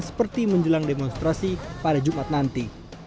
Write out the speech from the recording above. seperti menjelang demonstrasi pada jumat nanti